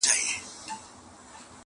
او بحثونه بيا راګرځي تل,